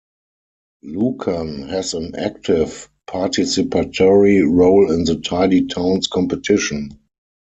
Lucan has an active participatory role in the Tidy Towns competition.